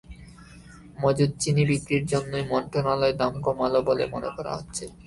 মজুত চিনি বিক্রির জন্যই মন্ত্রণালয় দাম কমাল বলে মনে করা হচ্ছে।